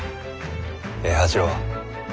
平八郎。